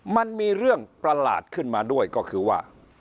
มันมีเรื่องประหลาดขึ้นมาด้วยก็คือว่า